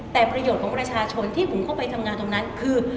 แต่ประโยชน์ของประชาชนที่ผมเข้าไปทำงานตรงนั้นคือ